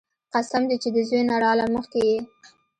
قسم دې چې د زوى نه راله مخكې يې.